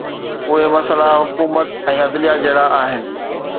اهي مسئلا حڪومت ۽ عدليه جهڙا آهن